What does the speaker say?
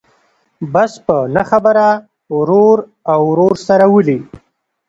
بس په نه خبره ورور او ورور سره ولي.